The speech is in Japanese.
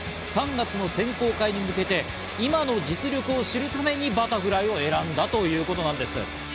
３月の選考会に向けて、今の実力を知るためにバタフライを選んだということなんです。